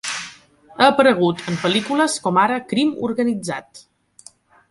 Ha aparegut en pel·lícules com ara "Crim organitzat".